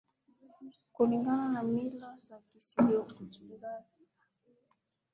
Kulingana na mila za Kisiwani humo ilikua hairuhusiwi kwa mwanamke kunywa pombe